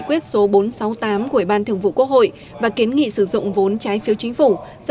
quyết số bốn trăm sáu mươi tám của ủy ban thường vụ quốc hội và kiến nghị sử dụng vốn trái phiếu chính phủ do